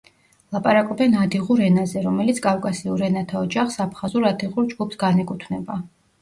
ლაპარაკობენ ადიღურ ენაზე რომელიც კავკასიურ ენათა ოჯახს აფხაზურ-ადიღურ ჯგუფს განეკუთვნება.